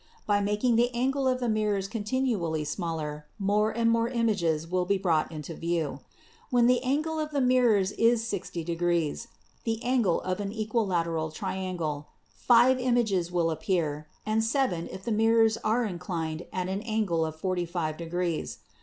By making the angle of the mirrors continually smaller, more and more images will be brought into view. When the angle of the mirrors is 60 degrees (the angle of an equilateral, triangle) five images will appear, and seven if the mirrors are inclined at an angle of 45 degrees.